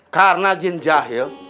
karena jun jahil